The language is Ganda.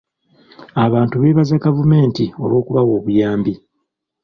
Abantu beebaza gavumenti olw'okubawa obuyambi.